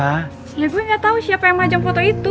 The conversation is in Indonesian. ya gue nggak tau siapa yang pajang foto itu